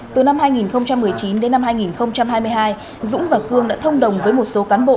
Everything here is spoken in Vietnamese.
từ năm hai nghìn một mươi chín đến năm hai nghìn hai mươi hai dũng và cương đã thông đồng với một số cán bộ